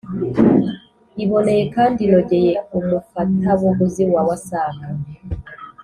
iboneye kandi inogeye umufatabuguzi wa waasac